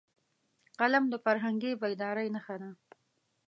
قلم د فرهنګي بیدارۍ نښه ده